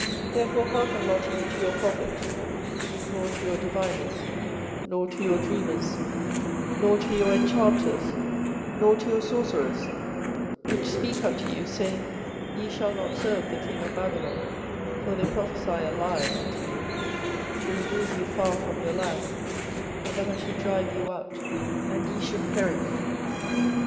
24:027:009 Therefore hearken not ye to your prophets, nor to your diviners, nor to your dreamers, nor to your enchanters, nor to your sorcerers, which speak unto you, saying, Ye shall not serve the king of Babylon: 24:027:010 For they prophesy a lie unto you, to remove you far from your land; and that I should drive you out, and ye should perish.